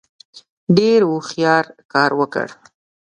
ډېر هوښیار کار وکړ.